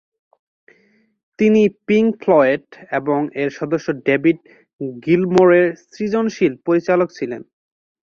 তিনি Pink Floyd এবং এর সদস্য ডেভিড গিলমোরের সৃজনশীল পরিচালক ছিলেন।